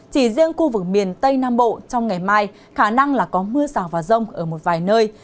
chỉ riêng khu vực miền tây nam bộ trong ngày mai khả năng là có mưa rào và rông ở một vài nơi